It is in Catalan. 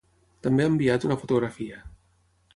També ha enviat una fotografia.